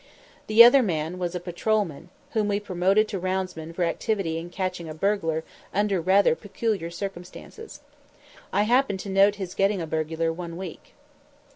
The other man was a patrolman whom we promoted to roundsman for activity in catching a burglar under rather peculiar circumstances. I happened to note his getting a burglar one week.